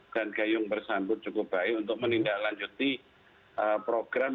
dan gayung bersambut cukup baik untuk menindaklanjuti program